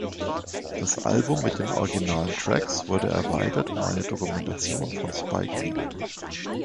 Das Album mit den originalen Tracks wurde erweitert um eine Dokumentation von Spike Lee.